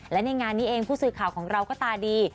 และในงานนี้เองผู้สื่อข่าวของเราก็ตาดี